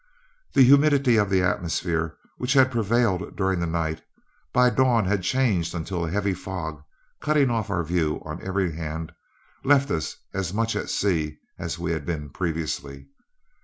The humidity of the atmosphere, which had prevailed during the night, by dawn had changed until a heavy fog, cutting off our view on every hand, left us as much at sea as we had been previously.